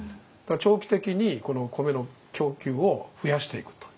長期的に米の供給を増やしていくと。